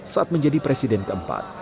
saat menjadi presiden keempat